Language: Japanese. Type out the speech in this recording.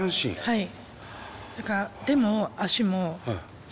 はい。